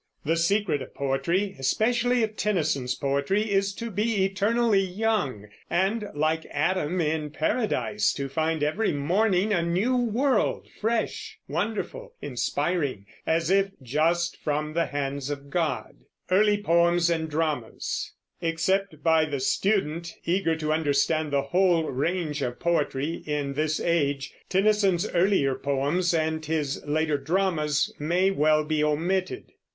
The secret of poetry, especially of Tennyson's poetry, is to be eternally young, and, like Adam in Paradise, to find every morning a new world, fresh, wonderful, inspiring, as if just from the hands of God. Except by the student, eager to understand the whoje range of poetry in this age, Tennyson's earlier poems and his later dramas may well be omitted.